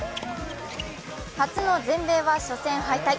初の全米は初戦敗退。